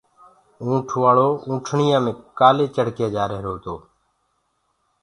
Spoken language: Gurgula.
اونٺ وآݪواونٺڻييآ مي ڪآلي چڙه ڪي جآ ريهرو تو